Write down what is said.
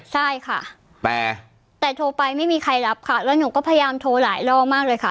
ใช่ค่ะแต่โทรไปไม่มีใครรับค่ะแล้วหนูก็พยายามโทรหลายรอบมากเลยค่ะ